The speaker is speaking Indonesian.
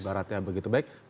barat ya begitu baik